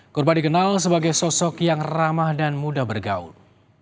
kurban dikenal sebagai sosok yang ramah dan mudah bergaul